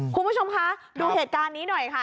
คุณผู้ชมคะดูเหตุการณ์นี้หน่อยค่ะ